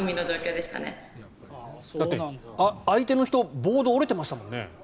だって、相手の人ボード折れてましたもんね。